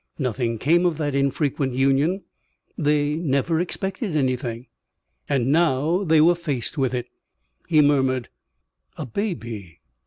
Nothing came of that infrequent union. They never expected anything. And now they were faced with it. He murmured: "A baby."